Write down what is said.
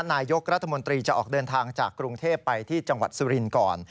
นายกรัฐมนตรีจะออกเดินทางจากกรุงเทพไปที่จังหวัดสุรินทร์ก่อน